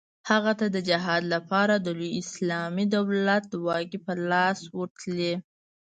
هغه ته د جهاد لپاره د لوی اسلامي دولت واګې په لاس ورتلې.